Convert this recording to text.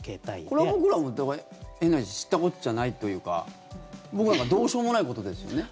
これは僕ら、変な話知ったこっちゃないというか僕らがどうしようもないことですよね。